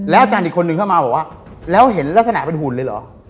อาจารย์อีกคนนึงเข้ามาบอกว่าแล้วเห็นลักษณะเป็นหุ่นเลยเหรอ